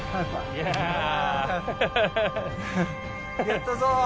やったぞー。